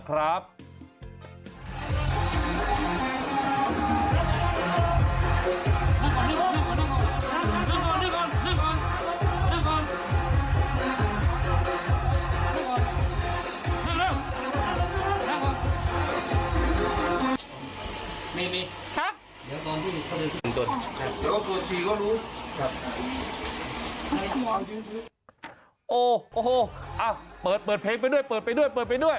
โอ้โหเปิดเพลงไปด้วยเปิดไปด้วยเปิดไปด้วย